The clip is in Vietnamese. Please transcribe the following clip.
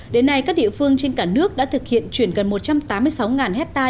đến nay các địa phương trên cả nước đã thực hiện chuyển gần một trăm tám mươi sáu ha